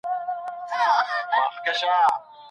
ایا ملي بڼوال بادام پلوري؟